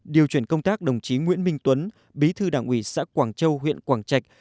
điều chuyển công tác đồng chí nguyễn minh tuấn bí thư đảng ủy xã quảng châu huyện quảng trạch